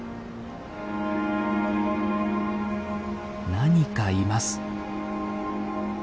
何かいます。